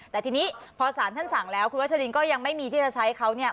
แต่ทีนี้พอสารท่านสั่งแล้วคุณวัชลินก็ยังไม่มีที่จะใช้เขาเนี่ย